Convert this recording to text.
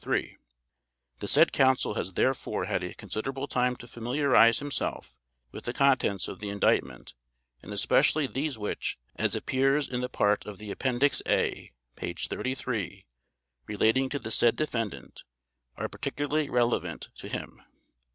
3) The said Counsel has therefore had a considerable time to familiarise himself with the contents of the Indictment and especially these which, as appears in the part of the Appendix A, page 33 relating to the said defendant, are particularly relevant to him.